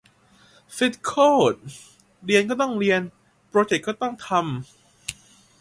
ฟิตโคตร เรียนก็ต้องเรียน โปรเจกต์ก็ต้องทำ